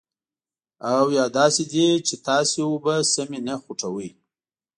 او یا داسې دي چې تاسې اوبه سمې نه خوټوئ.